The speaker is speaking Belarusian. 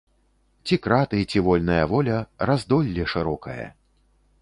Ці краты, ці вольная воля, раздолле шырокае.